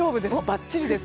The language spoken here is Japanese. ばっちりです。